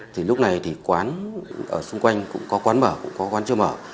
thì lúc này thì quán ở xung quanh cũng có quán mở cũng có quán chưa mở